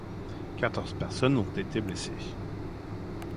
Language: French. Quatorze personnes ont été blessées.